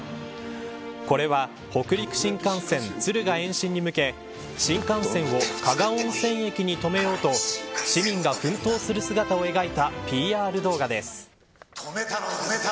これは北陸新幹線敦賀延伸に向け新幹線を加賀温泉駅に止めようと市民が奮闘する姿を描いたＰＲ動画です。